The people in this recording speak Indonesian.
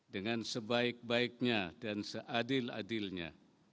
dengan sebaik baiknya dan seadil adilnya